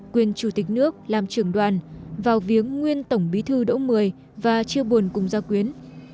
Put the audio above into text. quyền chủ tịch nước làm trường đoàn vào viếng nguyên tổng bí thư đỗ một mươi và chia buồn cùng ra quyến